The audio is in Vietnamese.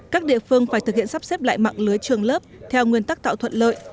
các địa phương phải thực hiện sắp xếp lại mạng lưới trường lớp theo nguyên tắc tạo thuận lợi